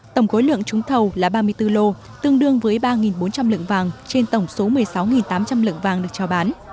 tổng khối lượng trúng thầu là ba mươi bốn lô tương đương với ba bốn trăm linh lượng vàng trên tổng số một mươi sáu tám trăm linh lượng vàng được trao bán